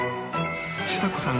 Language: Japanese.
ちさ子さん